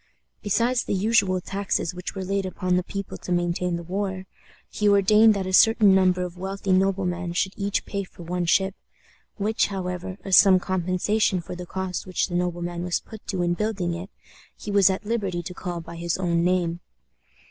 Besides the usual taxes which were laid upon the people to maintain the war, he ordained that a certain number of wealthy noblemen should each pay for one ship, which, however, as some compensation for the cost which the nobleman was put to in building it, he was at liberty to call by his own name.